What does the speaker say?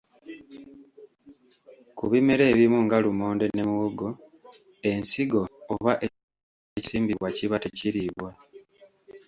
Ku bimera ebimu nga lumonde ne muwogo, ensigo oba ekitundu ekisimbibwa kiba tekiriibwa.